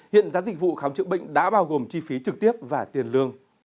hiện giá dịch vụ khám chữa bệnh đã bao gồm chi phí trực tiếp và tiền lương